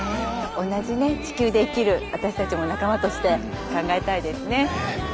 同じね地球で生きる私たちも仲間として考えたいですね。